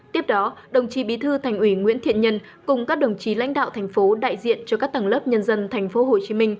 tiếp đó đồng chí bí thư thành ủy nguyễn thiện nhân cùng các đồng chí lãnh đạo thành phố đại diện cho các tầng lớp nhân dân tp hcm